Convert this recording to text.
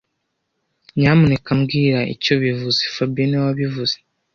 Nyamuneka mbwira icyo bivuze fabien niwe wabivuze